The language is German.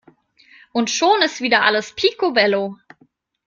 Und schon ist wieder alles picobello!